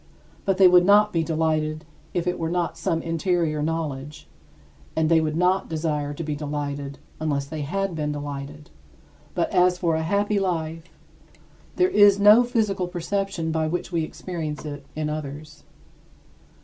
But they would not be delighted if it were not some interior knowledge; and they would not desire to be delighted unless they had been delighted. But as for a happy life, there is no physical perception by which we experience it in others.